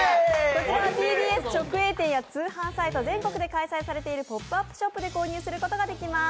こちらはＴＢＳ直営店や通販サイト全国で開催されているポップアップショップで購入できます。